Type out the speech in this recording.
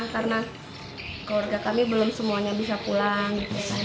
karena keluarga kami belum semuanya bisa pulang